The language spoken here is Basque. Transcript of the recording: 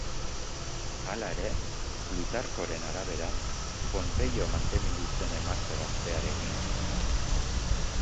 Hala ere, Plutarkoren arabera, Ponpeio maitemindu zen emazte gaztearekin.